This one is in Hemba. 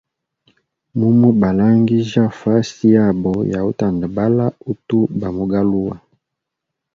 Mumu balangija fasi yabo yautandabala utu bamu galuwa.